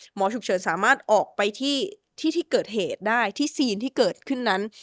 หมอฉุกเฉินสามารถออกไปที่ที่เกิดเหตุได้ที่ซีนที่เกิดขึ้นนั้น